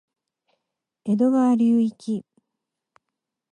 江戸川流域